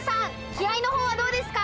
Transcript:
気合の方はどうですか？